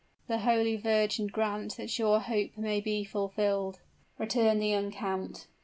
"The Holy Virgin grant that your hope may be fulfilled!" returned the young count.